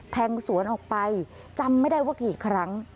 แทงสวนออกไปจำไม่ได้ว่ากี่ครั้ง